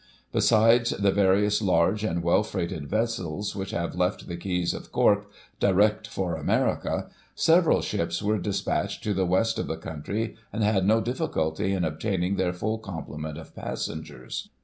Besides the various large and full freighted vessels, which have left the quays of Cork, direct for America, several ships were des patched to the west of the county, and had no difficulty in obtaining their full complement of passengers.